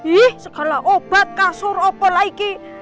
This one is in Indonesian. ih segala obat kasur obat lagi